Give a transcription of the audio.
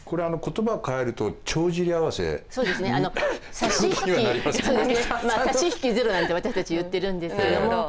差し引きゼロなんて私たち言ってるんですけども。